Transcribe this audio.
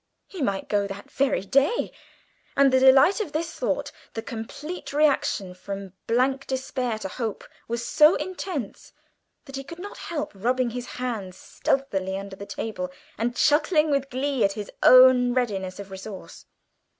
He might go that very day, and the delight of this thought the complete reaction from blank despair to hope was so intense that he could not help rubbing his hands stealthily under the table, and chuckling with glee at his own readiness of resource.